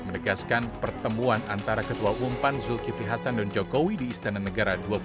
menegaskan pertemuan antara ketua umpan zulkifli hasan dan jokowi di istana negara